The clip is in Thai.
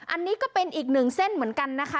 อันนี้ก็เป็นอีกหนึ่งเส้นเหมือนกันนะคะ